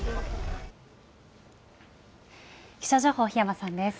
気象情報、檜山さんです。